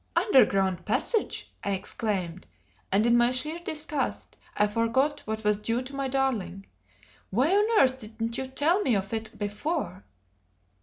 "Underground passage!" I exclaimed, and in my sheer disgust I forgot what was due to my darling. "Why on earth didn't you tell me of it before?"